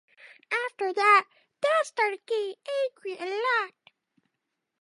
After that, Dad started getting angry a lot.